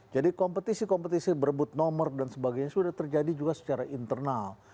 jadi kompetisi kompetisi berebut nomor dan sebagainya sudah terjadi juga secara internal